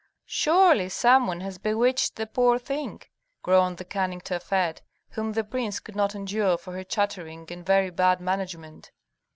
"Surely some one has bewitched the poor thing," groaned the cunning Tafet, whom the prince could not endure for her chattering and very bad management.